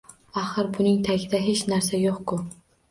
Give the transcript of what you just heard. Axir buning tagida hech narsa yo‘q-ku?